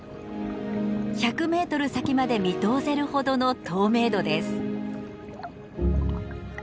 １００メートル先まで見通せるほどの透明度です。